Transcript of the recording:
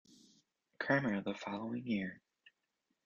Cramer the following year.